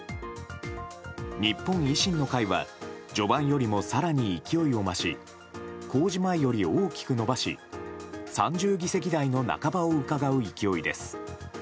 日本維新の会は序盤よりも更に勢いを増し公示前より大きく伸ばし３０議席台の半ばをうかがう勢いです。